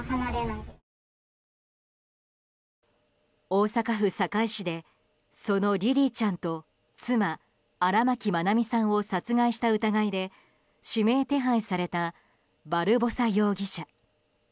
大阪府堺市でそのリリィちゃんと妻・荒牧愛美さんを殺害した疑いで指名手配されたバルボサ容疑者。